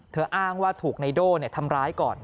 เธออ้างว่าถูกในโด่ทำร้ายก่อน